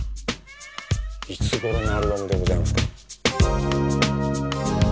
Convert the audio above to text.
いつごろのアルバムでございますか？